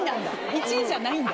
１位じゃないんだ？